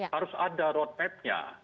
harus ada roadmap nya